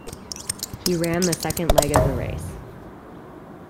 He ran the second leg of the race.